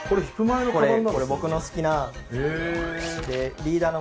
これ僕の好きなリーダーの。